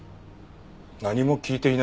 何も聞いていない？